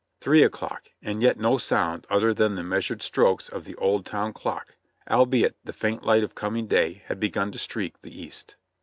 Three o'clock, and yet no sound other than the measured strokes of the old town clock, albeit the faint light of coming day had begun to streak the east.